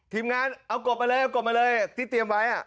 ทีมงานเอากบมาเลยเอากบมาเลยที่เตรียมไว้